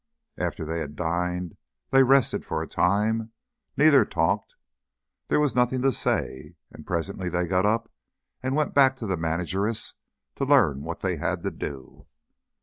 After they had dined they rested for a time. Neither talked there was nothing to say; and presently they got up and went back to the manageress to learn what they had to do.